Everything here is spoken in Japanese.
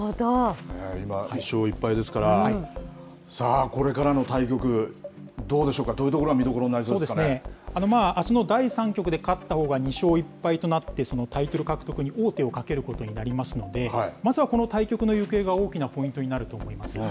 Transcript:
今、１勝１敗ですから、さあ、これからの対局、どうでしょうか、どういうところが見どころになりあすの第３局で勝ったほうが２勝１敗となって、タイトル獲得に王手をかけることになりますので、まずはこの対局の行方が大きなポイントになると思います。